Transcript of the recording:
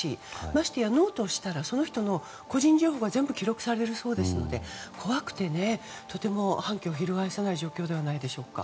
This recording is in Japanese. まして、ノーとしたらその人の個人情報が全部記録されるそうですから怖くて反旗を翻せない状況ではないんじゃないでしょうか。